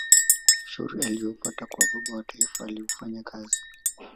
ushauri aliyoupata kwa baba wa taifa aliufanyia kazi